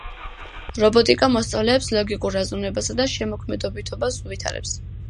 რობოტიკა მოსწავლეებს ლოგიკურ აზროვნებასა და შემოქმედებითობას უვითარებს.